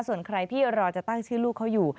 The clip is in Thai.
ส่วนใครที่รอจะตั้งชื่อลูกเขาอยู่